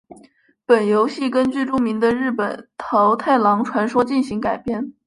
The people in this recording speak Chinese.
本游戏根据著名的日本桃太郎传说进行改编。